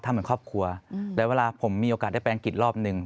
เหมือนครอบครัวแล้วเวลาผมมีโอกาสได้ไปอังกฤษรอบหนึ่ง